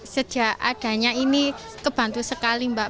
sejak adanya ini kebantu sekali mbak